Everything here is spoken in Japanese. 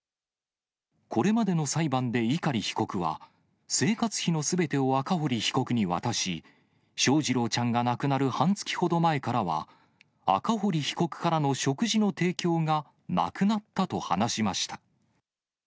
これまでの裁判で碇被告は、生活費のすべてを赤堀被告に渡し、翔士郎ちゃんが亡くなる半月ほど前からは、赤堀被告からの食事の提供がなくなったと話しました。